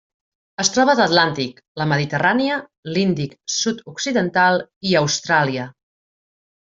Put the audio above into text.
Es troba a l'Atlàntic, la Mediterrània, l'Índic sud-occidental i Austràlia.